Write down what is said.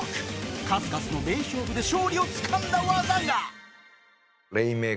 数々の名勝負で勝利をつかんだ技が